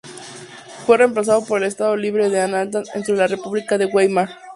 Fue reemplazado por el Estado Libre de Anhalt dentro de la República de Weimar.